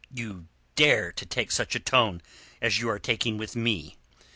You dare to take such a tone as you are taking with me?